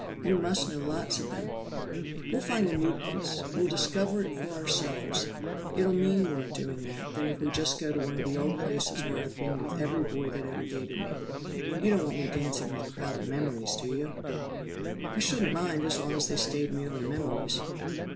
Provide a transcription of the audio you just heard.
"You must know lots of them." "We'll find a new place; we'll discover it for ourselves. It'll mean more, doing that, than if we just go to one of the old places where I've been with every boy that ever dated me. You don't want me dancing with a crowd of memories, do you?" "I shouldn't mind as long as they stayed merely memories."